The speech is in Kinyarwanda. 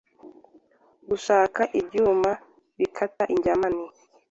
gushaka ibyuma bita injyamani